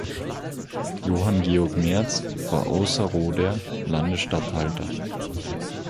Johann Georg Merz war Ausserrhoder Landesstatthalter.